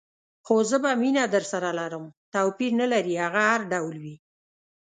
خو زه به مینه درسره لرم، توپیر نه لري هغه هر ډول وي.